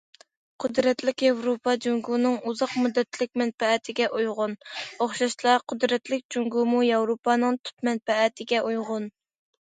قۇدرەتلىك ياۋروپا جۇڭگونىڭ ئۇزاق مۇددەتلىك مەنپەئەتىگە ئۇيغۇن، ئوخشاشلا قۇدرەتلىك جۇڭگومۇ ياۋروپانىڭ تۈپ مەنپەئەتىگە ئۇيغۇن.